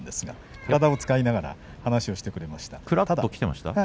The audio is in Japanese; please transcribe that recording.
体を使いながら話してくれました。